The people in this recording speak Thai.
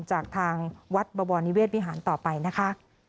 จากทางวัดบวรนิเวศวิหารต่อไปนะคะ